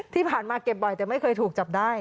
ที่ผ่านมาเก็บบ่อยแต่ไม่เคยถูกจับได้